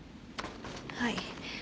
はい。